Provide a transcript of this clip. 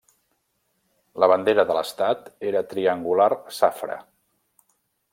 La bandera de l'estat era triangular safra.